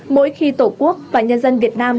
mỗi khi tổ quốc và nhân dân việt nam